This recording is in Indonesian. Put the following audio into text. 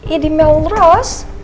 ya di melrose